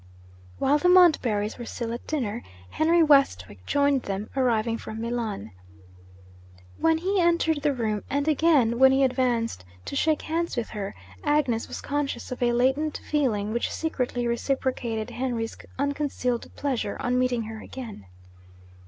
While the Montbarrys were still at dinner, Henry Westwick joined them, arriving from Milan. When he entered the room, and again when he advanced to shake hands with her, Agnes was conscious of a latent feeling which secretly reciprocated Henry's unconcealed pleasure on meeting her again.